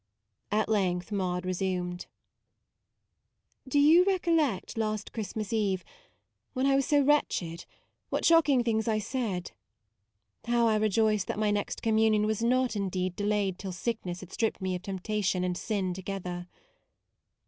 At length Maude resumed :" Do you recollect last Christmas Eve no MAUDE when I was so wretched, what shock ing things I said ? How I rejoice that my next Communion was not, indeed, delayed till sickness had stripped me of temptation and sin together."